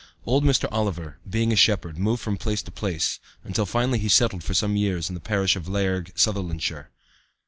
Old Mr. Oliver, being a shepherd, moved from place to place, until finally he settled for some years in the parish of Lairg, Sutherlandshire.